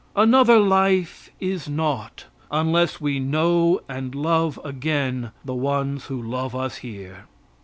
Another life is naught, unless we know and love again the ones who love us here.